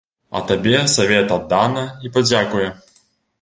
А табе савет аддана і падзякуе.